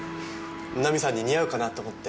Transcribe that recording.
ナミさんに似合うかなと思って。